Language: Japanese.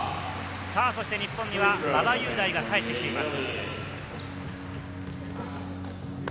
日本には馬場雄大が入ってきています。